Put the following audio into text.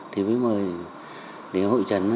thì mới mời để hội trần